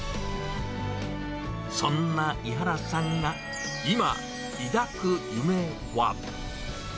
そんな井原さんが、今抱く夢は。